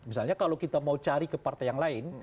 misalnya kalau kita mau cari ke partai yang lain